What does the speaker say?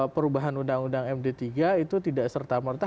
perubahan undang undang md tiga itu tidak serta merta